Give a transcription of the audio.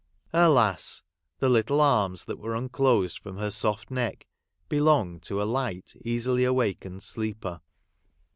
Alas ! the little arms that were unclosed from her soft neck belonged to a light, i !;ened sleeper.